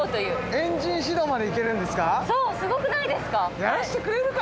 エンジン始動までいけるんですか？